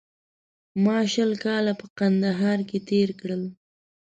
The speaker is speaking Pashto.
ما شل کاله په کندهار کې تېر کړل